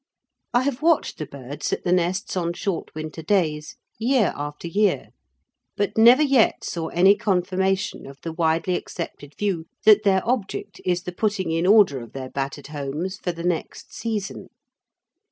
I have watched the birds at the nests on short winter days year after year, but never yet saw any confirmation of the widely accepted view that their object is the putting in order of their battered homes for the next season.